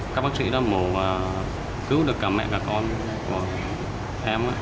các bác sĩ đã mổ cứu được cả mẹ và con của em